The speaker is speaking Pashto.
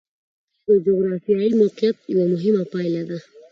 کلي د جغرافیایي موقیعت یوه مهمه پایله ده.